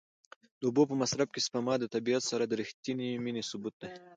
د اوبو په مصرف کې سپما د طبیعت سره د رښتینې مینې ثبوت دی.